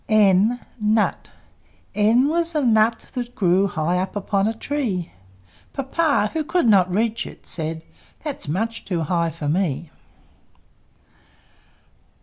N N was a Nut that grew High up upon a tree; Papa, who could not reach it, said, "That's much too high for me!"